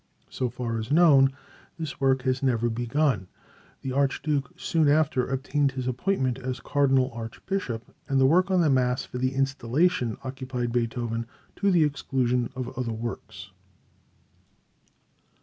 So far as known, this work was never begun. The Archduke soon after obtained his appointment as Cardinal Archbishop, and the work on the mass for the Installation occupied Beethoven to the exclusion of other works.